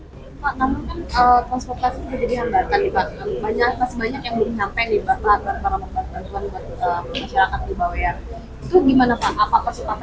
pak kamu kan transportasi menjadi yang berkati banyak yang belum sampai di batu